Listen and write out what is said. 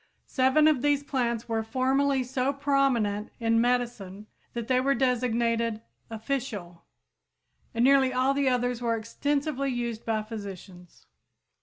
Seven of these plants were formerly so prominent in medicine that they were designated "official" and nearly all the others were extensively used by physicians.